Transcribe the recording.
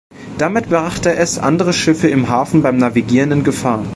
Damit brachte es andere Schiffe im Hafen beim Navigieren in Gefahr.